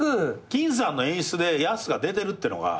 金さんの演出でヤスが出てるってのが。